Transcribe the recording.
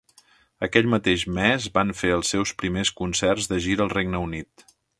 Aquell mateix mes van fer els seus primers concerts de gira al Regne Unit.